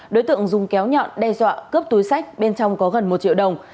đối tượng dùng kéo nhọn đe dọa cướp túi sách bên trong có gần một triệu đồng